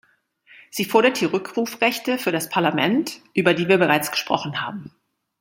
Sie fordert die Rückrufrechte für das Parlament, über die wir bereits gesprochen haben.